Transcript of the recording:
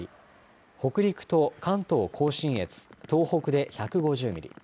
北陸と関東甲信越東北で１５０ミリ